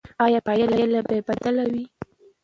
ایا پایله به بدله شي؟